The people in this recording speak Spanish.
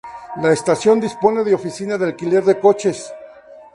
La estación dispone de oficina de alquiler de coches.